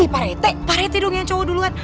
pak reti pak reti dong yang cowok duluan